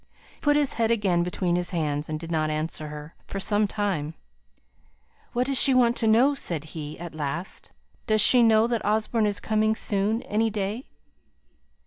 He put his head again between his hands, and did not answer her for some time. "What does she want to know?" said he, at last. "Does she know that Osborne is coming soon any day?"